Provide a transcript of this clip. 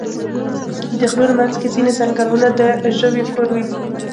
د غرونو منځ کې ځینې ځنګلونه د ژویو کور وي.